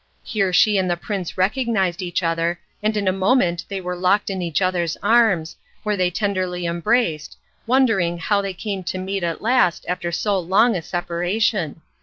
Here she and the prince recognised each other, and in a moment they were locked in each other's arms, where they tenderly embraced, wondering how they came to meet at last after so long a separation.